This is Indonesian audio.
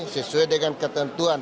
sesuai dengan ketentuan